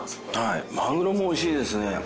マグロも美味しいですね。